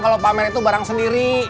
kalau pamer itu barang sendiri